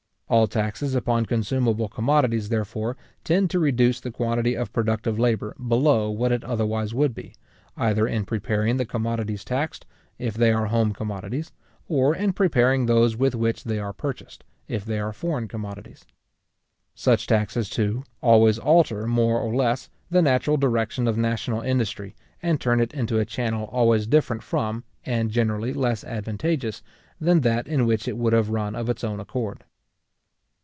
All taxes upon consumable commodities, therefore, tend to reduce the quantity of productive labour below what it otherwise would be, either in preparing the commodities taxed, if they are home commodities, or in preparing those with which they are purchased, if they are foreign commodities. Such taxes, too, always alter, more or less, the natural direction of national industry, and turn it into a channel always different from, and generally less advantageous, than that in which it would have run of its own accord.